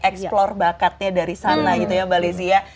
explore bakatnya dari sana gitu ya mbak lizzy ya